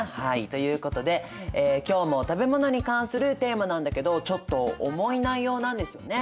ということで今日も食べ物に関するテーマなんだけどちょっと重い内容なんですよね。